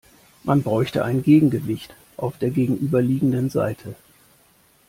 Man bräuchte ein Gegengewicht auf der gegenüberliegenden Seite.